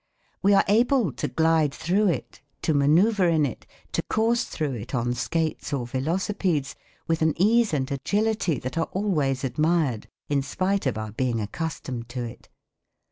We are able to glide through it, to manoeuvre in it, to course through it on skates or velocipedes with an ease and agility that are always admired in spite of our being accustomed to it.